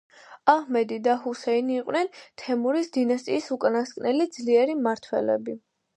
აჰმედი და ჰუსეინი იყვნენ თემურის დინასტიის უკანასკნელი ძლიერი მმართველები.